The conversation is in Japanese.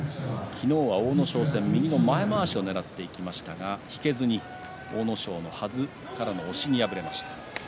昨日は阿武咲戦右の前まわしをねらっていきましたが、引けずに阿武咲のはずからの押しに敗れました。